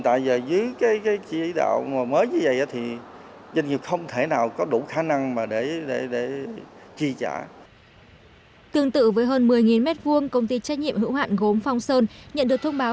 tương tự với hơn một mươi m hai công ty trách nhiệm hữu hạn gốm phong sơn nhận được thông báo